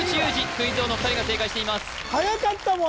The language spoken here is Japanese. クイズ王の２人が正解していますはやかったもん